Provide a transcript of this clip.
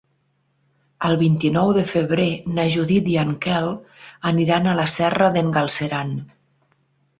El vint-i-nou de febrer na Judit i en Quel aniran a la Serra d'en Galceran.